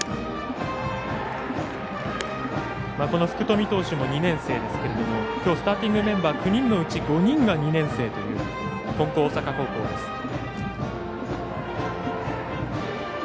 福冨投手も２年生ですけれどもきょうスターティングメンバー９人のうち５人が２年生という金光大阪高校です。